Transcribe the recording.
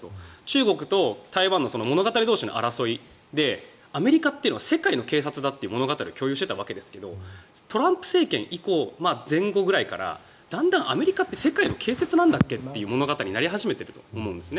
中国と台湾の物語同士の争いでアメリカというのは世界の警察だという物語を共有していたわけですがトランプ政権以降前後ぐらいからだんだんアメリカって世界の警察なんだっけ？っていう物語になり始めていると思うんです。